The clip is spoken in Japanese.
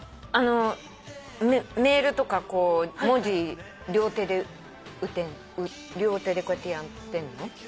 あのメールとかこう文字両手で両手でこうやってやってんの？